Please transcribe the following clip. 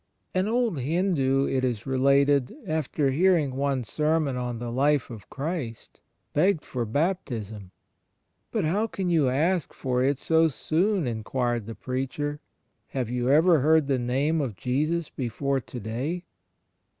An old Hindu, it is related, after hearing one sermon on the Life of Christ, begged for baptism. "But how can you ask for it so soon?" inquired the preacher. "Have you ever heard the Name of Jesus before to day?"